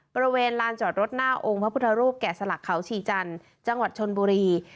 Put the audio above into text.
บริเวณลานจอดรถหน้าองค์พระพุทธรูปแก่สลักเขาชีจันทร์จังหวัดชนบุรี